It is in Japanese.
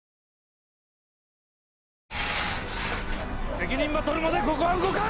責任ば取るまでここは動かん。